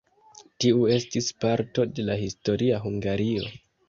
Tiu estis parto de la historia Hungario.